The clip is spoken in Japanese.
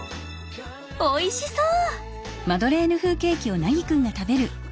おいしそう！